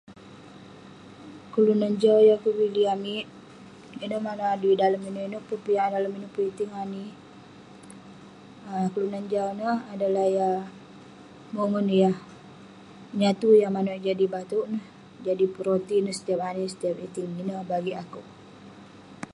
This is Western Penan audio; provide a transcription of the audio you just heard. Kelunan jau yah kevilik amik, ineh maneuk adui dalem ineuk-ineuk pun piak, dalem ineuk pun iting ani, um kelunan jau ineh adalah yah mongen, yah nyatu, yah maneuk eh jadi bateuk neh, jadi pun roti neh setiap ani setiap iting. Ineh bagik akeuk.